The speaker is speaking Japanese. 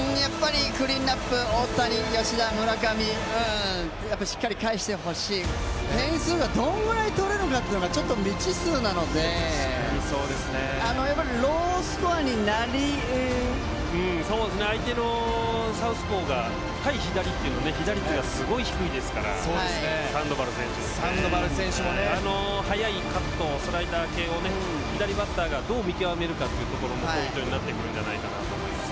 クリーンナップ、大谷、吉田、村上、しっかり帰してほしい、点数がどのくらい取れるかちょっと未知数なのでロースコアになりやすい相手のサウスポーが対左がすごい低いですからサンドバル選手も速いカット、スライダー系を左バッターがどう見極めるかもポイントになってくるんじゃないかなと思いますね。